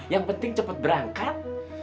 yang penting cepet berangkat